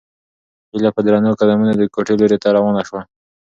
هیله په درنو قدمونو د کوټې لوري ته روانه شوه.